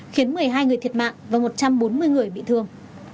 khiến một mươi hai người thiệt mạng và một trăm bốn mươi người bị thương